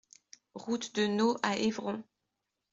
Route de Neau à Évron